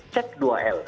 cek dua l